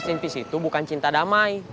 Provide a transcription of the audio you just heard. rest in peace itu bukan cinta damai